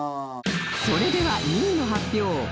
それでは２位の発表！